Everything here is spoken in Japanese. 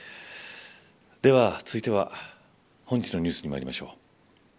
では、続いては本日のニュースにまいりましょう。